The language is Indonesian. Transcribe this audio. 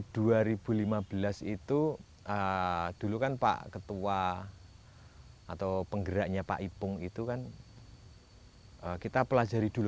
dua ribu lima belas itu dulu kan pak ketua atau penggeraknya pak ipung itu kan kita pelajari dulu